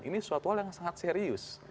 ini suatu hal yang sangat serius